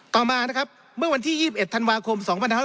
ต่อมานะครับเมื่อวันที่๒๑ธันวาคม๒๕๖๐